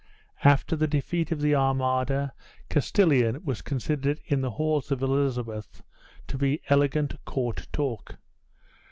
After the defeat of the Armada, Castilian was considered in the halls of Elizabeth to be elegant court talk.